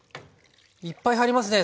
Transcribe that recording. いっぱい入りますね。